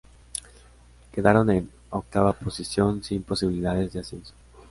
Quedaron en octava posición, sin posibilidades de ascenso.